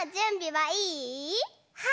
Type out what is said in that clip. はい！